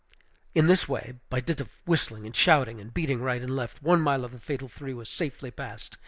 In this way, by dint of whistling and shouting, and beating right and left, one mile of the fatal three was safely passed.